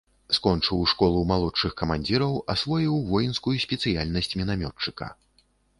Скончыў школу малодшых камандзіраў, асвоіў воінскую спецыяльнасць мінамётчыка.